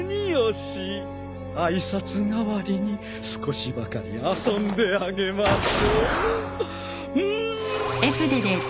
挨拶代わりに少しばかり遊んであげましょう。